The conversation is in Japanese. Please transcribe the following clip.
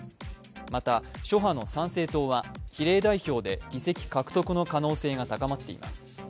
また、諸派の参政党は比例代表で議席獲得の可能性が高まっています。